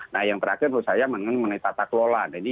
nah yang terakhir menurut saya menurut saya menilai tata kelola